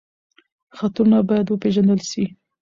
خطرونه باید وپېژندل شي.